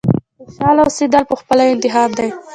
• خوشحاله اوسېدل پخپله یو انتخاب دی.